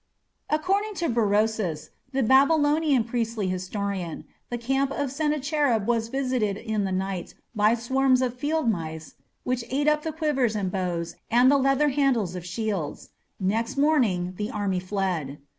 According to Berosus, the Babylonian priestly historian, the camp of Sennacherib was visited in the night by swarms of field mice which ate up the quivers and bows and the (leather) handles of shields. Next morning the army fled.